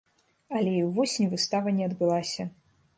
Але і ўвосень выстава не адбылася.